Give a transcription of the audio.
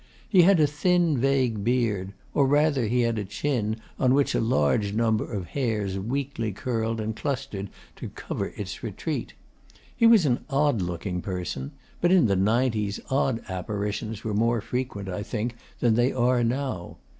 He had a thin vague beard or rather, he had a chin on which a large number of hairs weakly curled and clustered to cover its retreat. He was an odd looking person; but in the 'nineties odd apparitions were more frequent, I think, than they are now.